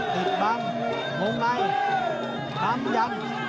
ติดบังมงในพัมยัง